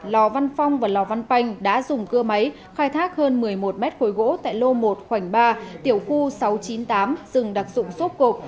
lò văn phong và lò văn banh đã dùng cưa máy khai thác hơn một mươi một mét khối gỗ tại lô một khoảnh ba tiểu khu sáu trăm chín mươi tám rừng đặc dụng xốp cộp